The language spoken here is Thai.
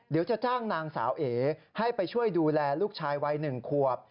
เดี๋ยวจะจ้างนางสาวเอ๋ให้ไปช่วยดูแลลูกชายวัย๑ขวบ